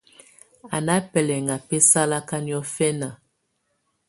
Á nà bɛlɛ̀na bɛ̀salakà niɔ̀fɛna.